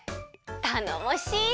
たのもしい！